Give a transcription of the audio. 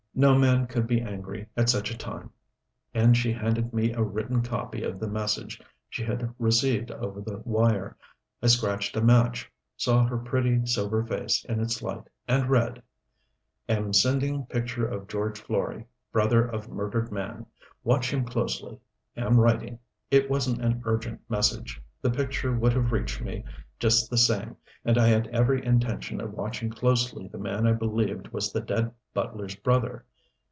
No man could be angry at such a time; and she handed me a written copy of the message she had received over the wire. I scratched a match, saw her pretty, sober face in its light and read: Am sending picture of George Florey, brother of murdered man. Watch him closely. Am writing. It wasn't an urgent message. The picture would have reached me, just the same, and I had every intention of watching closely the man I believed was the dead butler's brother.